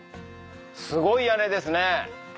すごい屋根ですね。